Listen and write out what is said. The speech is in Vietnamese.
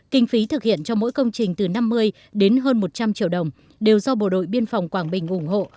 kinh phí thực hiện cho mỗi công trình từ năm mươi đến hơn một trăm linh triệu đồng đều do bộ đội biên phòng quảng bình ủng hộ